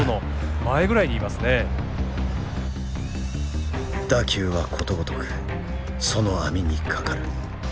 打球はことごとくその網にかかる。